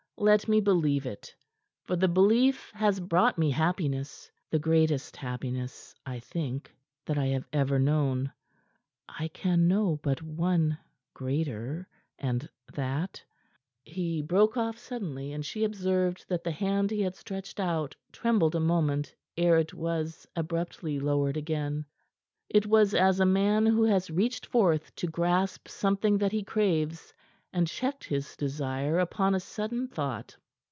"Let me believe it, for the belief has brought me happiness the greatest happiness, I think, that I have ever known. I can know but one greater, and that " He broke off suddenly, and she observed that the hand he had stretched out trembled a moment ere it was abruptly lowered again. It was as a man who had reached forth to grasp something that he craves, and checked his desire upon a sudden thought.